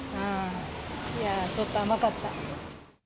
いやー、ちょっと甘かった。